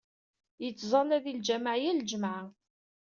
Yettẓalla di lǧamaɛ yal lǧemɛa.